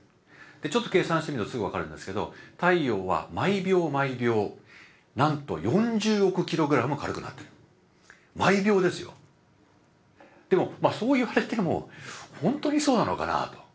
ちょっと計算してみるとすぐ分かるんですけど太陽は毎秒毎秒なんとでもそう言われても本当にそうなのかな？と。